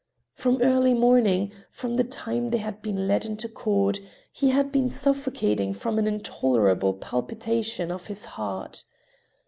From early morning, from the time they had been led into court, he had been suffocating from an intolerable palpitation of his heart.